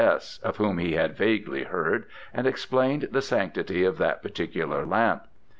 S., of whom he had vaguely heard, and explained the sanctity of that particular lamp.